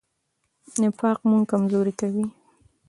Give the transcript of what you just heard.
نفاق موږ کمزوري کوي.